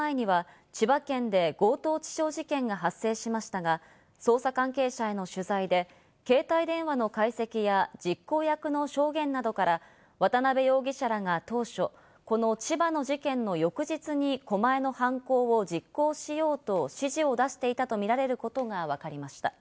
この事件の１週間前には千葉県で発生しましたが、捜査関係者への取材で携帯電話の解析や実行役の証言などから、渡辺容疑者らが当初、この千葉の事件の翌日に狛江の犯行を実行しようと指示を出していたとみられることがわかりました。